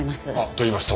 と言いますと？